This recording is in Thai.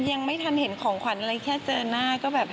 อะไรอย่างนี้คือเขาก็แบบ